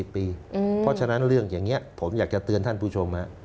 เพราะฉะนั้นเรื่องอย่างนี้ผมอยากจะเตือนท่านผู้ชม